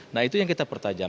nah itu yang kita pertajam